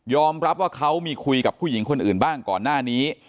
รับว่าเขามีคุยกับผู้หญิงคนอื่นบ้างก่อนหน้านี้